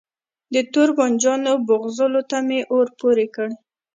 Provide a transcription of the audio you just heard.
د توربانجانو بوزغلو ته می اور پوری کړ